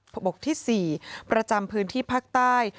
บกที่๔ประจำพื้นที่ภาคใต้